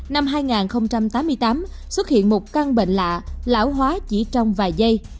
năm hai nghìn tám mươi tám xuất hiện một căn bệnh lạ lão hóa chỉ trong vài giây